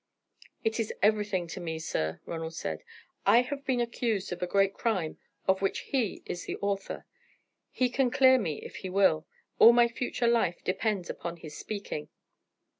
"It is everything to me, sir," Ronald said. "I have been accused of a great crime of which he is the author. He can clear me if he will. All my future life depends upon his speaking."